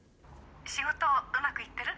「仕事うまくいってる？」